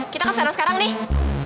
kita kesana sekarang deh